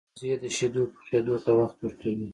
وزې د شیدو پخېدو ته وخت ورکوي